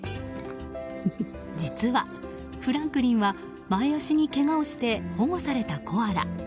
実は、フランクリンは前脚にけがをして保護されたコアラ。